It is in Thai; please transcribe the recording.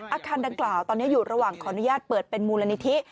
อาคารดังกล่าวตอนนี้อยู่ระหว่างขออนุญาตเปิดเป็นมูลนิธิ